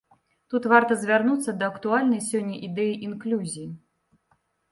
Тут варта звярнуцца да актуальнай сёння ідэі інклюзіі.